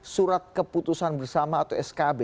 surat keputusan bersama atau skb